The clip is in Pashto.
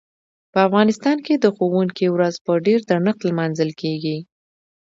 په افغانستان کې د ښوونکي ورځ په ډیر درنښت لمانځل کیږي.